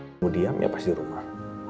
kamu diam yak pasih di rupah